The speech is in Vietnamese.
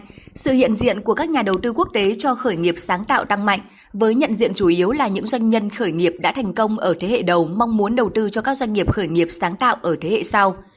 vì vậy sự hiện diện của các nhà đầu tư quốc tế cho khởi nghiệp sáng tạo tăng mạnh với nhận diện chủ yếu là những doanh nhân khởi nghiệp đã thành công ở thế hệ đầu mong muốn đầu tư cho các doanh nghiệp khởi nghiệp sáng tạo ở thế hệ sau